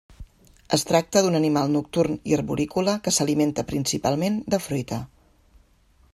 Es tracta d'un animal nocturn i arborícola que s'alimenta principalment de fruita.